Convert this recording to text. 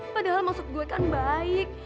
padahal maksud gue kan baik